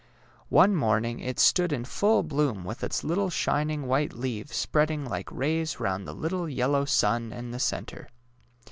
One morning it stood in full bloom with its little shining white leaves spreading like rays round the little yellow sun in the centre.